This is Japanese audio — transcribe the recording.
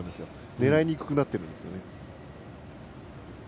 狙いにくくなってるんですね。